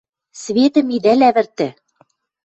Светӹм идӓ лявӹртӹ!